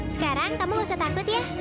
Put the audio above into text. sekarang kamu gak usah takut ya